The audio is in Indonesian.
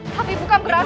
tapi bukan berarti